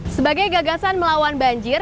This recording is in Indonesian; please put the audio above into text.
sebagai gagasan melawan banjir